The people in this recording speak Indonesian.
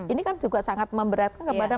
ini kan juga sangat memberatkan kepada